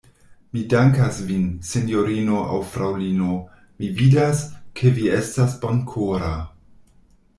Mi dankas vin, sinjorino aŭ fraŭlino; mi vidas, ke vi estas bonkora.